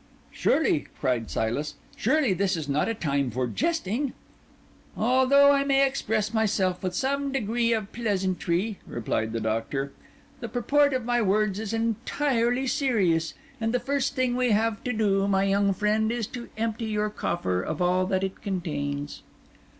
"Surely," cried Silas, "surely this is not a time for jesting." "Although I may express myself with some degree of pleasantry," replied the Doctor, "the purport of my words is entirely serious. And the first thing we have to do, my young friend, is to empty your coffer of all that it contains."